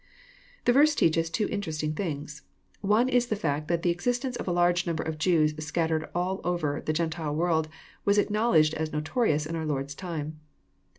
The verse teaches two interesting things. One is the fact that the existence of a large number of Jews scattered all over the Gentile world was acknowledged as notorious in our Lord's time.